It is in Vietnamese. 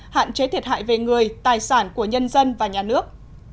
hạn chế thiệt hại về người tài sản của nhân dân và nhà nước